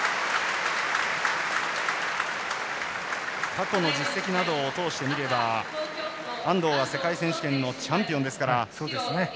過去の実績などを通してみれば安藤は世界選手権のチャンピオンですから。